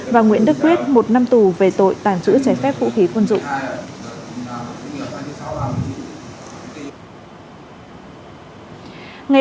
và nguyễn đức quyết một năm tù về tội tàng trữ trái phép vũ khí quân dụng